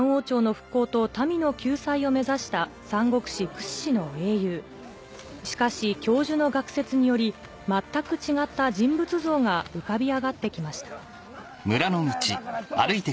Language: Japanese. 朝の復興と民の救済を目指した三國志屈指の英雄しかし教授の学説により全く違った人物像が浮かび上がって来ました何なんだよ！